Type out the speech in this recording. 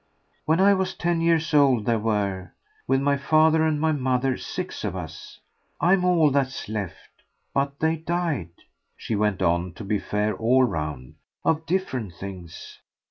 When I was ten years old there were, with my father and my mother, six of us. I'm all that's left. But they died," she went on, to be fair all round, "of different things.